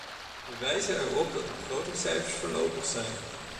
We wijzen erop dat de begrotingscijfers voorlopig zijn.